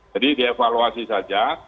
jadi dievaluasi saja